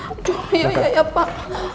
aduh iya ya pak